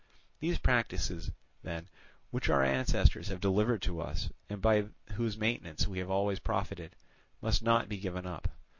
These practices, then, which our ancestors have delivered to us, and by whose maintenance we have always profited, must not be given up.